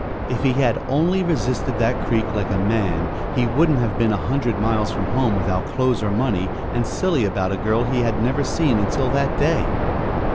If he had only resisted that creek like a man he wouldn't have been a hundred miles from home without clothes or money, and silly about a girl he had never seen until that day.